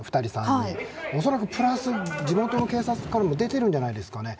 恐らく、それプラス地元の警察からも出てるんじゃないですかね。